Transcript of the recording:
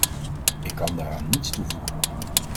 Ik kan daaraan niets toevoegen.